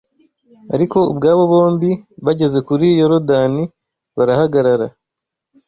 Ariko ubwabo bombi bageze kuri Yorodani barahagarara